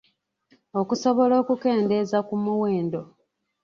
Okusobola okukendeeza ku muwendo.